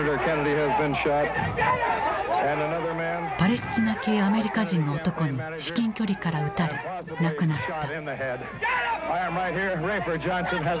パレスチナ系アメリカ人の男に至近距離から撃たれ亡くなった。